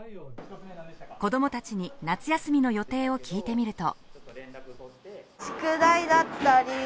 子供たちに夏休みの予定を聞いてみると。